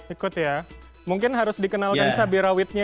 ikut ya mungkin harus dikenalkan cabai rawitnya